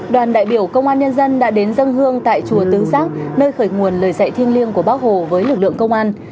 đoàn đại biểu công an nhân dân đã đến dân hương tại chùa tứ giác nơi khởi nguồn lời dạy thiêng liêng của bác hồ với lực lượng công an